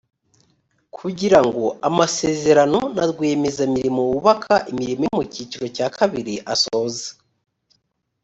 kugirango amasezerano na rwiyemezamirimo wubaka imirimo yo mu cyiciro cya kabiri asoze